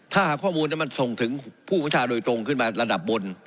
ถ้าหากข้อมูลมันส่งถึงผู้ประชาโดยตรงขึ้นมาระดับบน